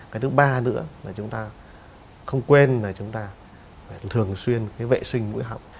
cái thứ ba nữa là chúng ta không quên là chúng ta phải thường xuyên cái vệ sinh mũi họng